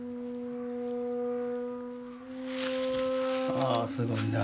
ああすごいな。